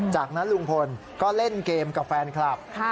จากนั้นลุงพลก็เล่นเกมกับแฟนคลับ